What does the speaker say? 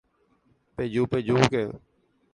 Pejupejúke